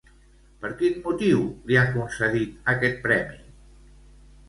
Per quin motiu li han concedit aquest premi?